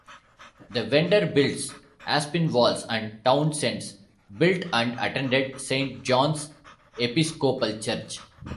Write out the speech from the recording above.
The Vanderbilts, Aspinwalls and Townsends built and attended Saint John's Episcopal Church.